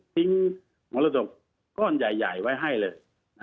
มรดกก้อนใหญ่ไว้ให้เลย